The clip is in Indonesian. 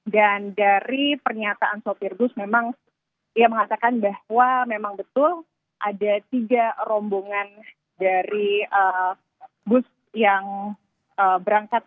dan dari pernyataan software booth memang ya mengatakan bahwa memang betul ada tiga rombongan dari booth yang berangkat